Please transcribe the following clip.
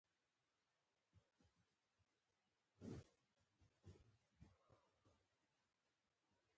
نیکه د نورو لپاره هم تل یو ښوونکی دی.